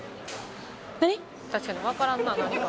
「確かにわからんな何か」